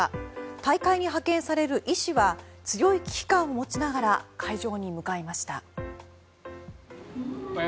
大会に派遣される医師は強い危機感を持ちながら会場に向かいました。